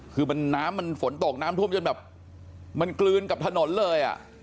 คือมันน้ำมันฝนตกน้ำท่วมจนแบบมันกลืนกับถนนเลยอ่ะ